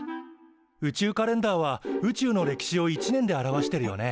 宇宙カレンダーは宇宙の歴史を１年で表してるよね。